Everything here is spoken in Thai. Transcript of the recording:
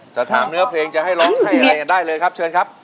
จะถามเนื้อเพลงจะให้ร้องให้อะไรกันได้เลยครับเชิญครับ